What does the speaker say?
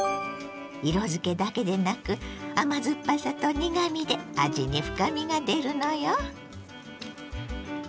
色づけだけでなく甘酸っぱさと苦みで味に深みが出るのよ。